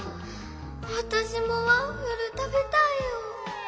わたしもワッフルたべたいよ！